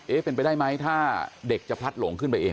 เป็นไปได้ไหมถ้าเด็กจะพลัดหลงขึ้นไปเอง